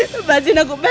lepaskan aku mas